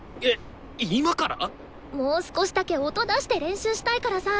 もう少しだけ音出して練習したいからさ！